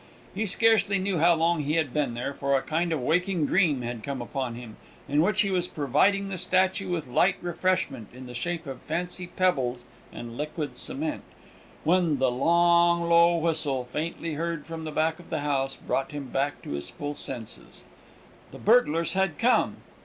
He scarcely knew how long he had been there, for a kind of waking dream had come upon him, in which he was providing the statue with light refreshment in the shape of fancy pebbles and liquid cement, when the long, low whistle, faintly heard from the back of the house, brought him back to his full senses. The burglars had come!